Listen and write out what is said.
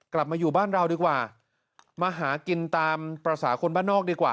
กลับมาอยู่บ้านเราดีกว่ามาหากินตามภาษาคนบ้านนอกดีกว่า